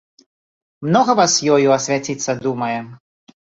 Многа вас ёю асвяціцца думае?